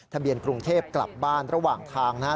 ทะเบียนกรุงเทพกลับบ้านระหว่างทางนะครับ